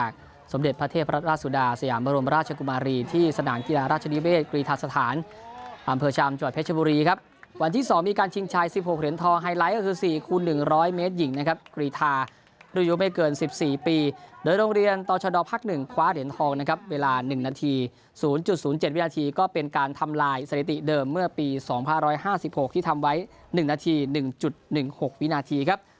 ก็เป็นการทำลายสถิติเดิมเมื่อปี๒๕๕๖ที่ทำไว้๑นาที๑๑๖วินาทีครับ